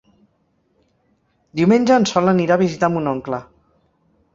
Diumenge en Sol anirà a visitar mon oncle.